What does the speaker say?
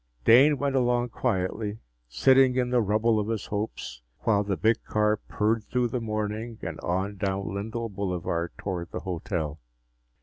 Dane went along quietly, sitting in the rubble of his hopes while the big car purred through the morning and on down Lindell Boulevard toward the hotel.